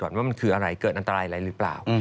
ว่ามันคืออะไรเกิดอันตรายอะไรหรือเปล่า